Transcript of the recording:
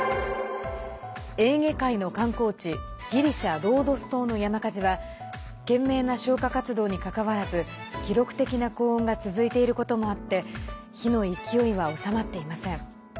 エーゲ海の観光地ギリシャ・ロードス島の山火事は懸命な消火作業にかかわらず記録的な高温が続いていることもあって火の勢いは収まっていません。